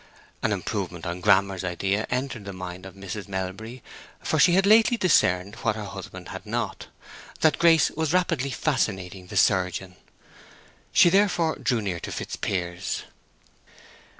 An improvement on Grammer's idea entered the mind of Mrs. Melbury, for she had lately discerned what her husband had not—that Grace was rapidly fascinating the surgeon. She therefore drew near to Fitzpiers.